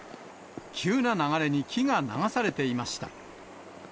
急な流れに木が流されていました。